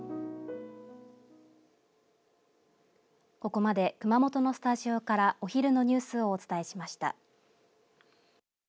ここまで熊本のスタジオからお昼のニュースをお伝えしました。